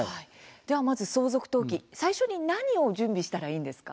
では、まず相続登記最初に何を準備したらいいんですか？